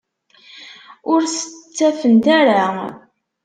Ur t-ttafent ara.